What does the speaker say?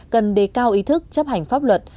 cần đề cao ý thức chấp hành pháp luật